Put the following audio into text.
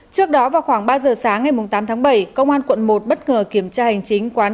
trước đó vào khoảng ba giờ sáng ngày tám tháng bảy công an quận một bất ngờ kiểm tra hành chính quán